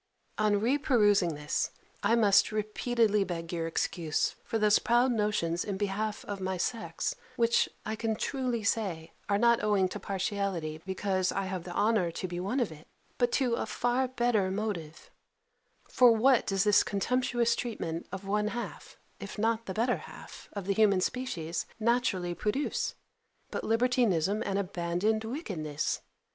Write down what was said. On re perusing this, I must repeatedly beg your excuse for these proud notions in behalf of my sex, which, I can truly say, are not owing to partiality because, I have the honour to be one of it; but to a far better motive; for what does this contemptuous treatment of one half, if not the better half, of the human species, naturally produce, but libertinism and abandoned wickedness?